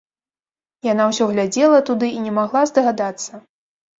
Яна ўсё глядзела туды і не магла здагадацца.